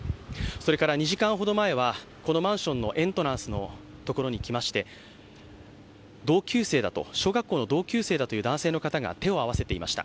それから２時間ほど前はこのマンションのエントランスのところに来まして、小学校の同級生の方だという男性が手を合わせていました。